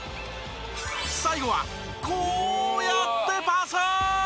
最後はコウやってパス！